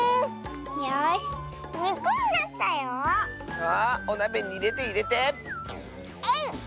あおなべにいれていれて！えいっ！